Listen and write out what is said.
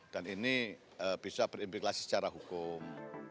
dan ini bisa berimplikasi secara hukum